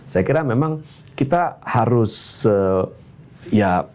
saya kira memang kita harus ya